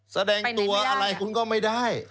แสดงตัวอะไรคุณก็ไม่ได้